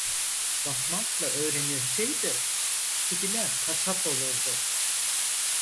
Bakmakla öğrenilseydi, kediler kasap olurdu.